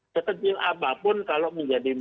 ketentu apapun kalau menjadi